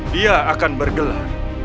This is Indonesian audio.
dia akan bergelar